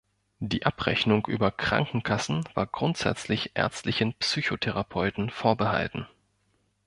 Die Abrechnung über Krankenkassen war grundsätzlich ärztlichen Psychotherapeuten vorbehalten.